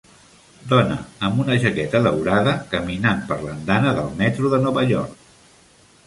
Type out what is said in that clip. Dona amb una jaqueta daurada caminant per l'andana del metro de Nova York.